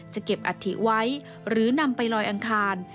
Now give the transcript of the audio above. จะเก็บอัฐิไว้หรือนำไปลอยอังคาร